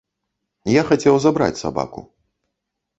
Я хацеў забраць сабаку.